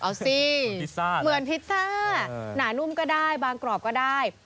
เอาสิเหมือนพิซซ่าหนานุ่มก็ได้บางกรอบก็ได้